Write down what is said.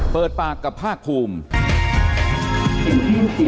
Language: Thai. เปิดปากกับภาคภูมิ